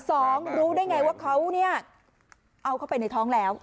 สองรู้ได้อย่างไรว่าเขาเอาเข้าไปในท้องแล้ว